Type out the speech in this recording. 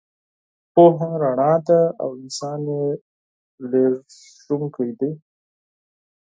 پوهه رڼا ده او انسان یې لېږدونکی دی.